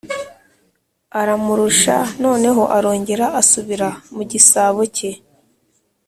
aramurusha, noneho arongera asubira mu gisabo ke.